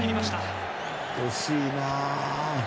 惜しいな。